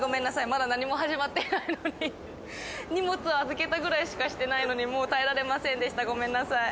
まだ何も始まってないのに荷物を預けたぐらいしかしてないのにもう耐えられませんでしたごめんなさい